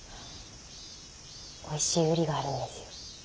おいしい瓜があるんですよ。